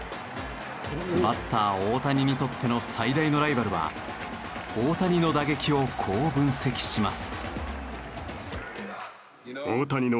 バッター大谷にとっての最大のライバルは大谷の打撃をこう分析します。